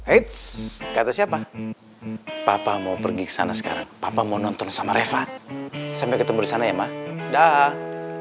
eits kata siapa papa mau pergi ke sana sekarang papa mau nonton sama reva sampai ketemu di sana ya ma dah